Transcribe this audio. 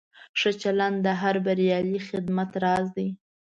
ښه چلند د هر بریالي خدمت راز دی.